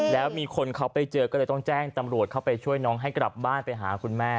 แล้วมีคนเขาไปเจอก็เลยต้องแจ้งตำรวจเข้าไปช่วยน้องให้กลับบ้านไปหาคุณแม่